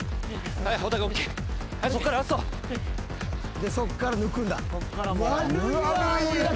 でそっから抜くんだ。